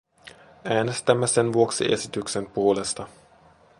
Äänestämme sen vuoksi esityksen puolesta.